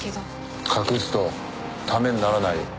隠すとためにならないよ。